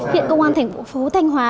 hiện công an thành phố phú thanh hóa